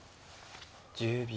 １０秒。